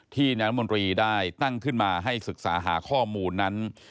นายรัฐมนตรีได้ตั้งขึ้นมาให้ศึกษาหาข้อมูลนั้น